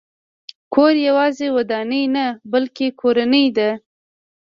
کور یوازې ودانۍ نه، بلکې کورنۍ ده.